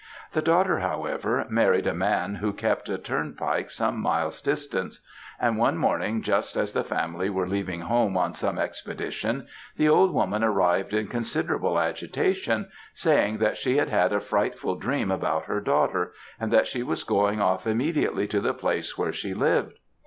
The daughter, however, married a man who kept a turnpike some miles distant; and one morning, just as the family were leaving home on some expedition, the old woman arrived in considerable agitation, saying that she had had a frightful dream about her daughter, and that she was going off immediately to the place where she lived.